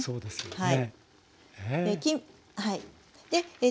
はい。